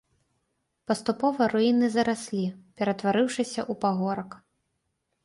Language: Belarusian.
Паступова руіны зараслі, ператварыўшыся ў пагорак.